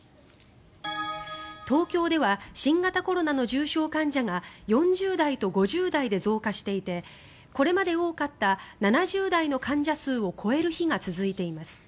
東京では新型コロナの重症患者が４０代と５０代で増加していてこれまで多かった７０代の患者数を超える日が続いています。